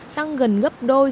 tăng gần gấp đôi